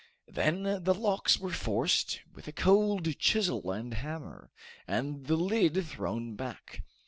Then the locks were forced with a cold chisel and hammer, and the lid thrown back.